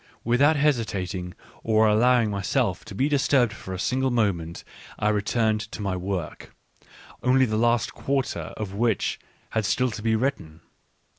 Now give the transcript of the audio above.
Without hesitating, ot allowing myself to be disturbed for a single moment, I returned to my work, only the last quarter of which had still tobewritten.